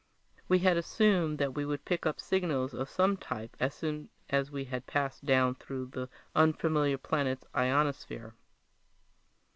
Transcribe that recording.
We had assumed that we would pick up signals of some type as soon as we had passed down through the unfamiliar planet's ionosphere.